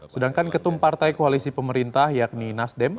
sedangkan ketum partai koalisi pemerintah yakni nasdem